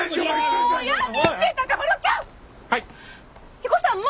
彦さんも！